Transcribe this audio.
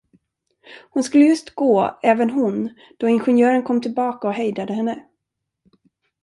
Hon skulle just gå även hon, då ingenjören kom tillbaka och hejdade henne.